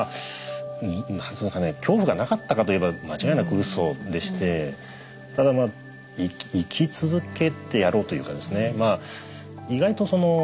なんつうのかな恐怖がなかったかといえば間違いなく嘘でしてただ生き続けてやろうというかですね。